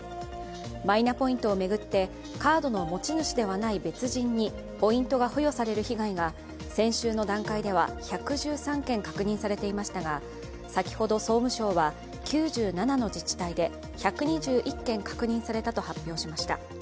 マイナポイントを巡ってカードの持ち主ではない別人にポイントが付与される被害が先週の段階では１１３件、確認されていましたが先ほど総務省は９７の自治体で１２１件確認されたと発表しました。